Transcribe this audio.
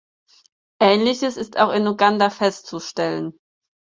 Ähnliches ist auch in Uganda festzustellen.